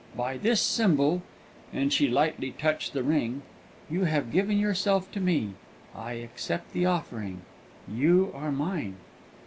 By this symbol," and she lightly touched the ring, "you have given yourself to me. I accept the offering you are mine!"